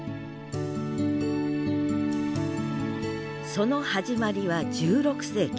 その始まりは１６世紀。